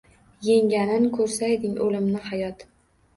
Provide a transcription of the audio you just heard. Yengganin ko’rsayding o’limni hayot!